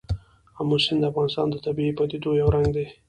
آمو سیند د افغانستان د طبیعي پدیدو یو رنګ دی.